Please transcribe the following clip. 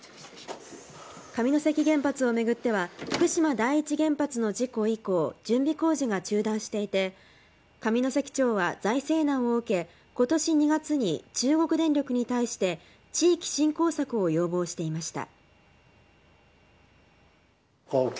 上関原発を巡っては福島第一原発の事故以降準備工事が中断していて上関町は財政難を受け今年２月に中国電力に対して地域振興策を要望していました。